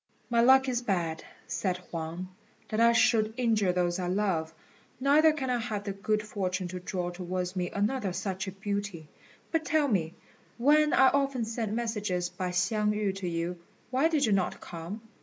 "My luck is bad," said Huang, "that I should injure those I love, neither can I have the good fortune to draw towards me another such a beauty. But tell me, when I often sent messages by Hsiang yü to you, why did you not come?"